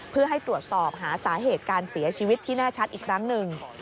เพื่อให้ตรวจสอบหาสาเหตุการเสียชีวิตที่แน่ชัดอีกครั้งหนึ่ง